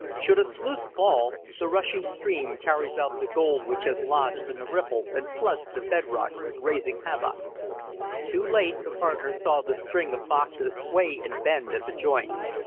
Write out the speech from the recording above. Should a sluice fall, the rushing stream carries out the gold which has lodged in the riffles and floods the bed rock, raising havoc. Too late the partners saw the string of boxes sway and bend at the joint.